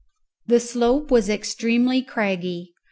The slope was extremely craggy.